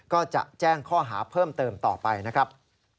ก็จะแจ้งข้อหาเพิ่มเติมต่อไปนะครับ